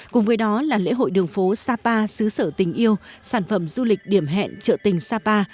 cùng với đó là lễ hội đường phố sapa xứ sở tình yêu sản phẩm du lịch điểm hẹn trợ tình sapa